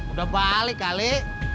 udah balik kali